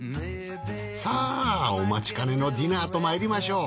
さあお待ちかねのディナーとまいりましょう。